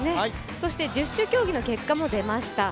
十種競技の結果も出ました。